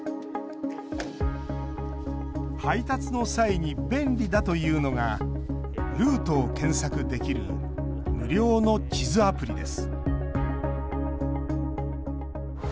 配達の際に便利だというのがルートを検索できる無料の地図アプリです